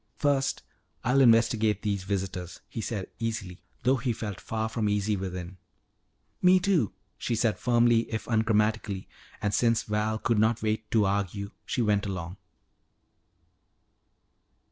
"First I'll investigate these visitors," he said easily, though he felt far from easy within. "Me too," she said firmly if ungrammatically, and since Val could not wait to argue, she went along.